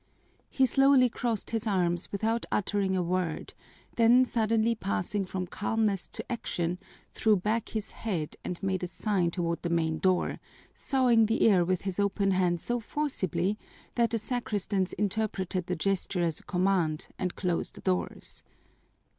He slowly crossed his arms without uttering a word, then suddenly passing from calmness to action, threw back his head and made a sign toward the main door, sawing the air with his open hand so forcibly that the sacristans interpreted the gesture as a command and closed the doors.